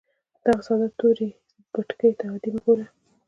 دغې ساده تورې بتکې ته عادي مه ګوره